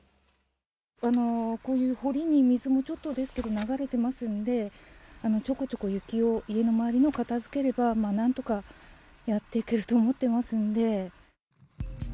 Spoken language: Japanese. こういう堀に、水もちょっとですけど、流れてますんで、ちょこちょこ雪を、家の周りを片づければなんとかやっていけると思ってますので。